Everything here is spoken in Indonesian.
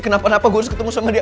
kenapa gue harus ketemu sama dia